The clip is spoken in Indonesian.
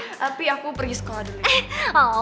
tapi aku pergi sekolah dulu